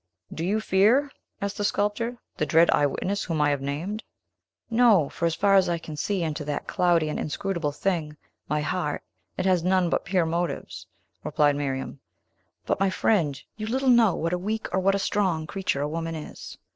"Do you fear," asked the sculptor, "the dread eye witness whom I have named?" "No; for, as far as I can see into that cloudy and inscrutable thing, my heart, it has none but pure motives," replied Miriam. "But, my friend, you little know what a weak or what a strong creature a woman is!